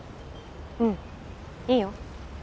うんいいよ。